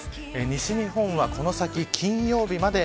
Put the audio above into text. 西日本は、この先金曜日まで。